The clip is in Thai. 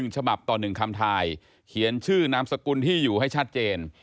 ฉบับต่อ๑คำทายเขียนชื่อนามสกุลที่อยู่ให้ชัดเจน